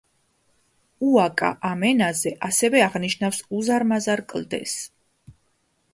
უაკა ამ ენაზე ასევე აღნიშნავს უზარმაზარ კლდეს.